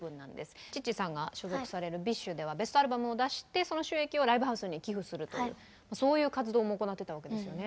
チッチさんが所属されるＢｉＳＨではベストアルバムを出してその収益をライブハウスに寄付するというそういう活動も行ってたわけですよね。